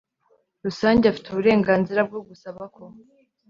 rusange afite uburenganzira bwo gusaba ko